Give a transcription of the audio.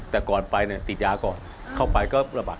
แต่ก่อนไปเนี่ยติดยาก่อนเข้าไปก็ระบาด